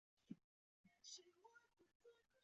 宣宗对此十分满意。